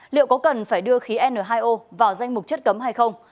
liệu có cần phải đưa khí n hai o vào danh mục chất cấm hay không